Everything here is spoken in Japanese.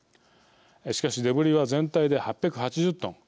しかし、デブリは全体で８８０トン。